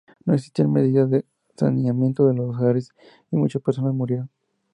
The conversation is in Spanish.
No existían medidas de saneamiento en los hogares y muchas personas murieron.